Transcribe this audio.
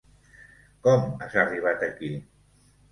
Com has arribat aquí?